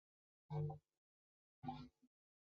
盘古越狱是第一个由中国团队发布的越狱工具。